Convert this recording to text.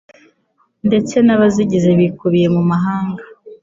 ndetse n abazigize bikubiye mu mahame